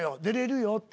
「出れるよ」